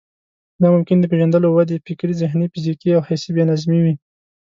دا ممکن د پېژندلو، ودې، فکري، ذهني، فزيکي او يا حسي بې نظمي وي.